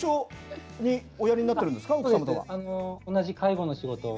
同じ介護の仕事を。